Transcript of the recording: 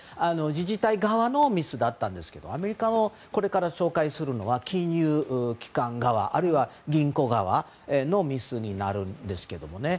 自治体側のミスだったんですけどアメリカのこれから紹介するのは金融機関側あるいは銀行側のミスになるんですけども。